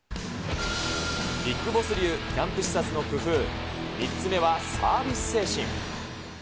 ビッグボス流キャンプ視察の工夫、３つ目はサービス精神。